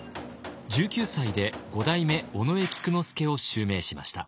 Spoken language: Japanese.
１９歳で五代目尾上菊之助を襲名しました。